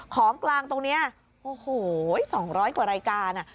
ของกลางตรงนี้โอ้โห๒๐๐กว่ารายการ